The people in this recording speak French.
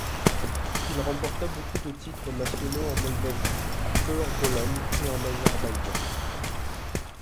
Il remporta beaucoup de titres nationaux en Moldavie, peu en Pologne et en Azerbaïdjan.